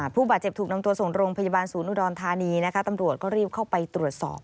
ผู้บาดเจ็บถูกนำตัวส่งโรงพยาบาลศูนย์อุดรธานีนะคะตำรวจก็รีบเข้าไปตรวจสอบ